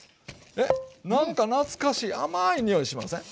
なんか懐かしい甘いにおいしません？